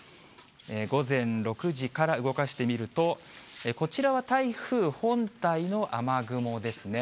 午前６時から動かして見ると、こちらは台風本体の雨雲ですね。